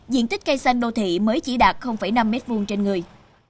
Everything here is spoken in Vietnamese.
diện tích cây xanh đô thị mới chỉ đạt năm mét vuông trên người